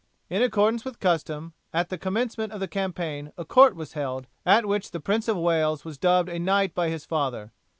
In accordance with custom, at the commencement of the campaign a court was held, at which the Prince of Wales was dubbed a knight by his father.